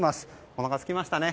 おなかすきましたね。